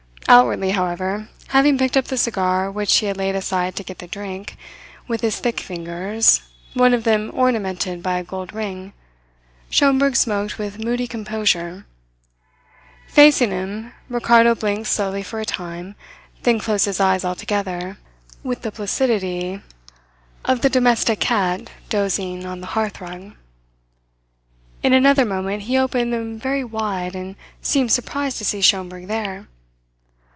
Outwardly, however, having picked up the cigar which he had laid aside to get the drink, with his thick fingers, one of them ornamented by a gold ring, Schomberg smoked with moody composure. Facing him, Ricardo blinked slowly for a time, then closed his eyes altogether, with the placidity of the domestic cat dozing on the hearth rug. In another moment he opened them very wide, and seemed surprised to see Schomberg there.